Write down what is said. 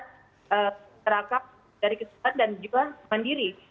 terakap dari keseluruhan dan juga mandiri